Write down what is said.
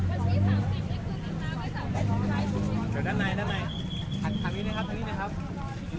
เถอะด้านใน